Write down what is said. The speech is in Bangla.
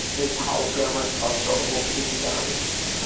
মিস হাউ-কে আমার শ্রদ্ধা ও প্রীতি জানাবে।